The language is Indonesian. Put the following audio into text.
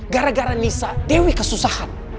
gara gara nisa dewi kesusahan